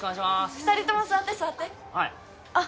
二人とも座って座ってはいあっ